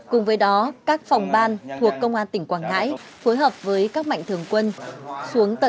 chúc các bạn luôn luôn sinh năm học giỏi